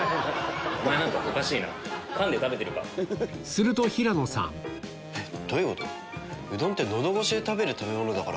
すると平野さんどういうこと？